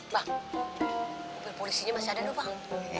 bang polisinya masih ada dong bang